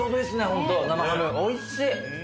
ホント生ハムおいしい。